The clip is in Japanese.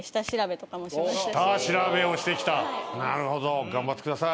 なるほど頑張ってください。